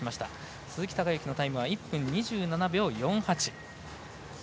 鈴木孝幸のタイムは１分２７秒４８。